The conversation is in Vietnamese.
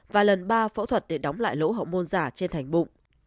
và lần ba phẫu thuật để đóng lại lỗ hậu môn giả trên thành bụng